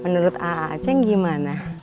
menurut a a ceng gimana